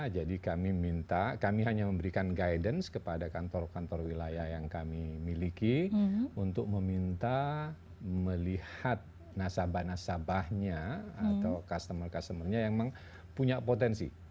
jadi kami minta kami hanya memberikan guidance kepada kantor kantor wilayah yang kami miliki untuk meminta melihat nasabah nasabahnya atau customer customernya yang memang punya potensi